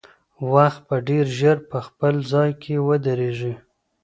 وخت به ډېر ژر په خپل ځای کې ودرېږي.